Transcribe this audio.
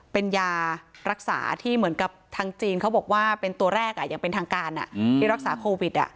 เป็นยารักษาที่เหมือนกับทางจีนเขาบอกว่าเป็นตัวแรกอย่างเป็นทางการที่รักษาโควิด